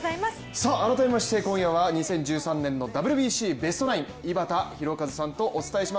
改めまして今夜は２０１３年のＷＢＣベストナイン、井端弘和さんとお伝えします。